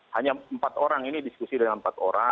hanya empat orang ini diskusi dengan empat orang